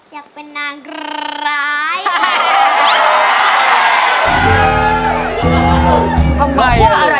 อยากเป็นนางล้าย